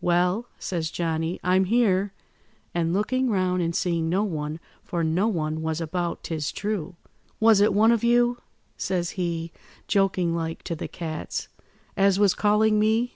"'Well,' says Johnny, 'I'm here,' and looking round and seeing no one, for no one was about 'tis true. 'Was it one of you,' says he, joking like, to the cats, 'as was calling me?